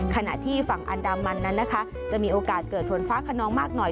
ขณะที่ฝั่งอันดามันนั้นนะคะจะมีโอกาสเกิดฝนฟ้าขนองมากหน่อย